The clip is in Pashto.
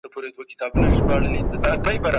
د ژوند حق بې ساري دی.